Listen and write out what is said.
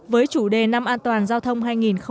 với chủ đề năm an toàn giao thông hai nghìn một mươi chín